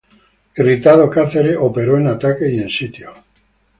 Irritado Cáceres, operó en ataque y en sitio.